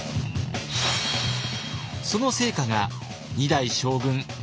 その成果が２代将軍秀忠。